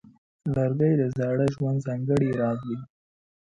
لرګی د زاړه ژوند ځانګړی راز دی.